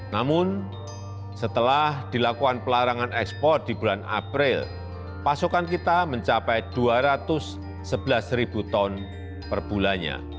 namun setelah dilakukan pelarangan ekspor di bulan april pasokan kita mencapai dua ratus sebelas ribu ton per bulannya